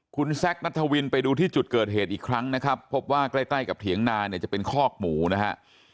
คุณแซคนัทวินไปดูที่จุดเกิดเหตุอีกครั้งนะครับพบว่าใกล้ใกล้กับเถียงนาเนี่ยจะเป็นคอกหมูนะฮะ